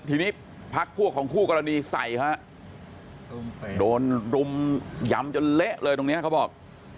ทีนี้พักพวกของคู่กรณีใส่ฮะโดนรุมยำจนเละเลยตรงนี้เขาบอก